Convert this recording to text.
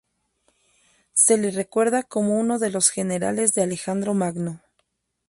Se le recuerda como uno de los generales de Alejandro Magno.